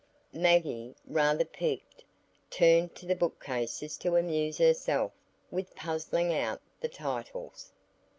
Maggie, rather piqued, turned to the bookcases to amuse herself with puzzling out the titles.